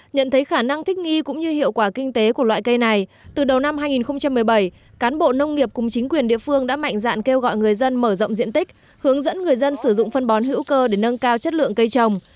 nhận thấy khả năng thích nghi cũng như hiệu quả kinh tế của loại cây này từ đầu năm hai nghìn một mươi bảy cán bộ nông nghiệp cùng chính quyền địa phương đã mạnh dạn kêu gọi người dân mở rộng diện tích hướng dẫn người dân sử dụng phân bón hữu cơ để nâng cao chất lượng cây trồng